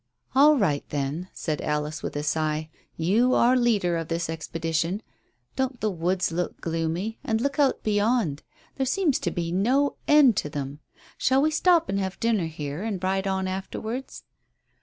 "All right, then," said Alice, with a sigh. "You are leader of this expedition. Don't the woods look gloomy? And look out beyond. There seems to be no end to them. Shall we stop and have dinner here, and ride on afterwards?"